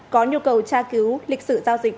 có nhu cầu tra cứu lịch sử giao dịch